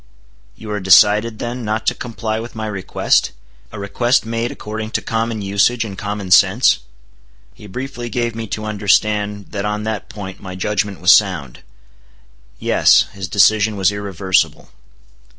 "You are decided, then, not to comply with my request—a request made according to common usage and common sense?" He briefly gave me to understand that on that point my judgment was sound. Yes: his decision was irreversible.